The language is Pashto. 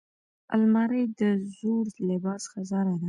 الماري د زوړ لباس خزانه ده